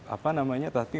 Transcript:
apa namanya tadi